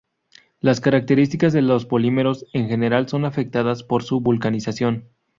Las características de los polímeros, en general, son afectadas por su vulcanización.